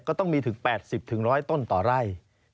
ก็ต้องมีถึง๘๐๑๐๐ต้นต่อไร่